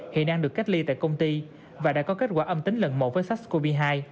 hiện đang được cách ly tại công ty và đã có kết quả âm tính lần một với sars cov hai